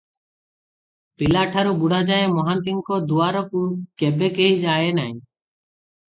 ପିଲାଠାରୁ ବୁଢ଼ାଯାଏ ମହାନ୍ତିଙ୍କ ଦୁଆରକୁ କେଭେ କେହି ଯାଏ ନାହିଁ ।